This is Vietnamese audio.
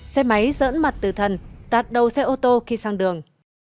xe máy dỡn mặt từ thần tạt đầu xe ô tô khi sang đường